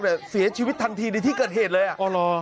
แสดงเสียชีวิตทันทีในที่เกิดเหตุเลย